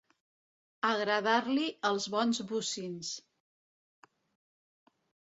Agradar-li els bons bocins.